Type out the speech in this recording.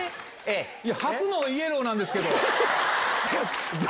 初のイエローなんですけど。